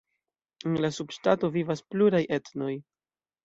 En la subŝtato vivas pluraj etnoj.